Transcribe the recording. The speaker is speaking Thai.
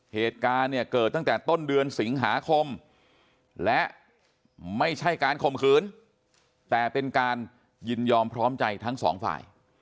เหตุการณ์เนี่ยเกิดตั้งแต่ต้นเดือนสิงหาคมและไม่ใช่การข่มขืนแต่เป็นการยินยอมพร้อมใจทั้งสองฝ่าย